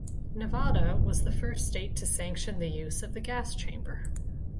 Nevada was the first state to sanction the use of the gas chamber.